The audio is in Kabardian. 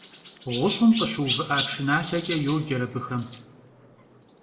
«Ğuş'ım khışıuvı'a pşşınalheç'e» yoce abıxem.